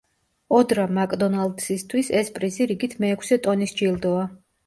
ოდრა მაკდონალდისთვის ეს პრიზი რიგით მეექვსე ტონის ჯილდოა.